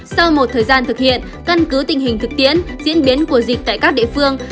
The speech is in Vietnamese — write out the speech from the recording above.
sau một thời gian thực hiện căn cứ tình hình thực tiễn diễn biến của dịch tại các địa phương